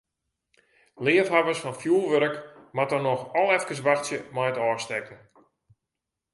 Leafhawwers fan fjurwurk moatte noch al efkes wachtsje mei it ôfstekken.